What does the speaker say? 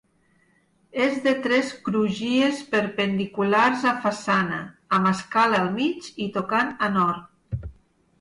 És de tres crugies perpendiculars a façana, amb escala al mig i tocant a nord.